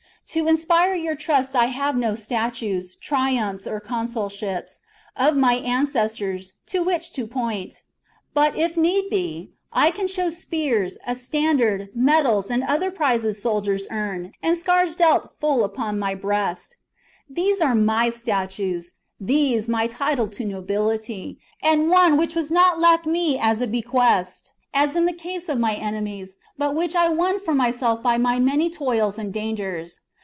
To inspire your trust I have no statues, triumphs, or consulships, of my ancestors, to which to point ; but, if need be, I can show spears, a standard, medals, and other prizes soldiers earn, and scars dealt full upon my breast. These are my statues, these my title to nobility, and one which was not left me as a bequest, as in the case of my enemies, but which I won for myself by my many toils and dangers.